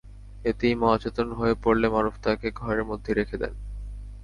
এতে ইমা অচেতন হয়ে পড়লে মারুফ তাঁকে ঘরের মধ্যে রেখে দেন।